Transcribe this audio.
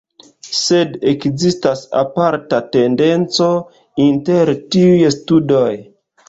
Sed ekzistas aparta tendenco inter tiuj studoj.